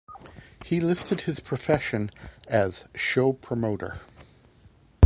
He listed his profession as "show promoter".